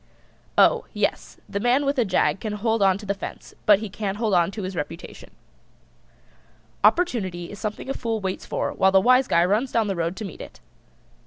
Oh, yes, the man with a jag can hold on to the fence, but he can't hold on to his reputation. Opportunity is something a Fool waits for while the Wise Guy runs down the road to meet it.